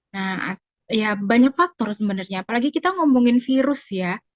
nah ya banyak faktor sebenarnya apalagi kita ngomongin virus ya